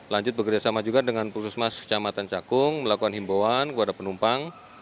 lanjut bekerjasama juga dengan pusmas kecamatan cakung melakukan himbauan kepada penumpang